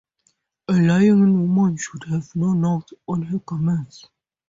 A lying-in woman should have no knots on her garments.